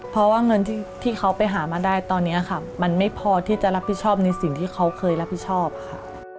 เพราะว่าเงินที่เขาไปหามาได้ตอนนี้ค่ะมันไม่พอที่จะรับผิดชอบในสิ่งที่เขาเคยรับผิดชอบค่ะ